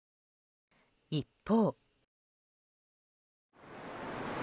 一方。